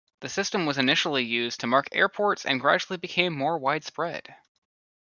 The system was initially used to mark airports and gradually became more widespread.